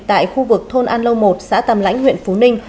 tại khu vực thôn an lâu một xã tàm lãnh huyện phú ninh